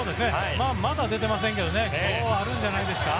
まだ出ていませんけど今日はあるんじゃないですか。